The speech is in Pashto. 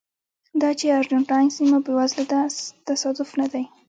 دا چې ارجنټاین سیمه بېوزله ده تصادف نه دی.